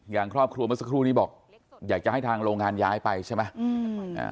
อย่างครอบครัวเมื่อสักครู่นี้บอกอยากจะให้ทางโรงงานย้ายไปใช่ไหม